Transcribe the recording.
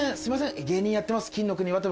芸人やってます。